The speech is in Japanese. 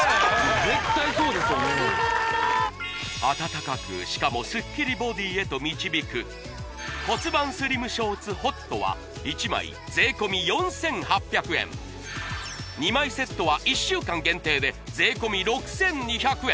絶対そうでしょうね暖かくしかもスッキリボディーへと導く骨盤スリムショーツＨＯＴは１枚税込４８００円２枚セットは１週間限定で税込６２００円